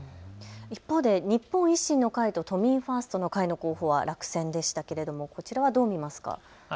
一方で日本維新の会と都民ファーストの会の候補は落選でしたけれどもこちらはどう見ますか。